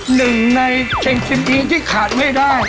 หนึ่งในเชงซิมอีที่ขาดไม่ได้